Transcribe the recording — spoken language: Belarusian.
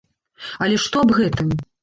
Але што аб гэтым?